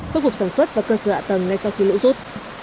cơ phục sản xuất và cơ sở ạ tầng ngay sau khi lũ rút